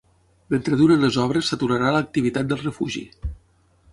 Mentre durin les obres s’aturarà l’activitat del refugi.